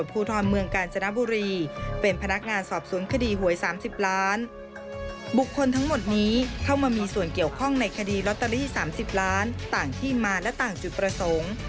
ภูทรเมืองกาญจนบุรีเป็นพนักงานสอบสวนคดีหวย๓๐ล้านบุคคลทั้งหมดนี้เข้ามามีส่วนเกี่ยวข้องในคดีลอตเตอรี่๓๐ล้านต่างที่มาและต่างจุดประสงค์